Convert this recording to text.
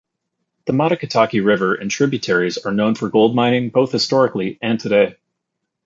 The Matakitaki River and tributaries are known for gold mining, both historically and today.